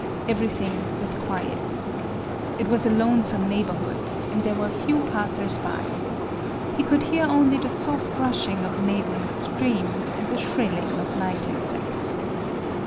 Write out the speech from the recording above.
Everything was quiet. It was a lonesome neighborhood, and there were few passers by. He could hear only the soft rushing of a neighboring stream, and the shrilling of night insects.